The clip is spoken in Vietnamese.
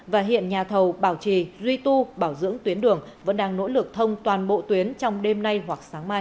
và hiện nhà thầu bảo trì duy tu bảo dưỡng tuyến đường vẫn đang nỗ lực thông toàn bộ tuyến trong đêm nay hoặc sáng mai